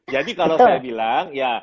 jadi kalau saya bilang ya